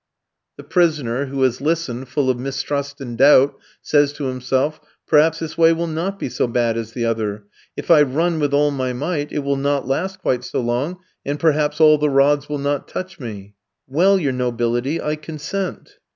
The prisoner, who has listened, full of mistrust and doubt, says to himself: Perhaps this way will not be so bad as the other. If I run with all my might, it will not last quite so long, and perhaps all the rods will not touch me. "Well, your nobility, I consent."